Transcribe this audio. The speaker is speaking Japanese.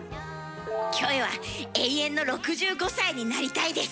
キョエは永遠の６５歳になりたいです。